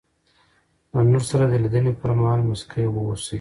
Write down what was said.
د نور سره د لیدني پر مهال مسکی واوسئ.